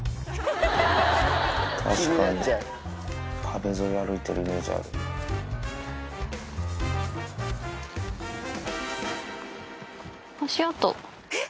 確かに、壁沿い歩いてるイメ足跡。